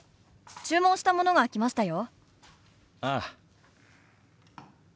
注文したものが来ましたよ。